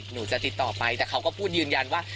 หนูจะติดต่อไปแต่เขาก็พูดยืนยันว่า